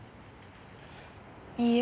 いいえ。